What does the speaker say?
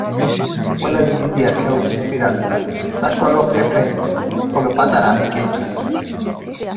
ყველაზე დიდია ხეოფსის პირამიდა, საშუალო ხეფრენის, ხოლო პატარა მიკენის.